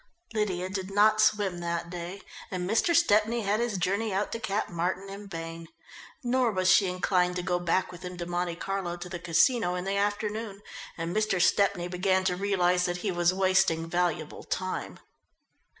Lydia did not swim that day, and Mr. Stepney had his journey out to Cap Martin in vain. Nor was she inclined to go back with him to Monte Carlo to the Casino in the afternoon, and Mr. Stepney began to realise that he was wasting valuable time.